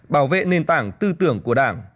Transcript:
bảo vệ nền tảng tư tưởng của đảng